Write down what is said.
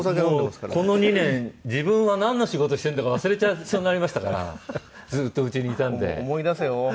もうこの２年自分はなんの仕事してるんだか忘れちゃいそうになりましたからずっと家にいたんで。